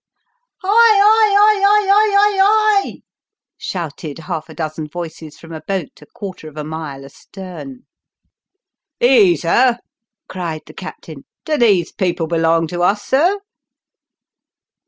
" Hoi oi oi oi oi oi o i i i !" shouted half a dozen voices from a boat, a quarter of a mile astern. " Ease her !" cried the captain :" do these people belong to us, sir